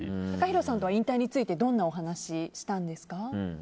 ＴＡＫＡＨＩＲＯさんとは引退についてどういうお話したんですか？